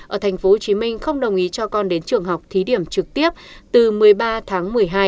ở tp hcm không đồng ý cho con đến trường học thí điểm trực tiếp từ một mươi ba tháng một mươi hai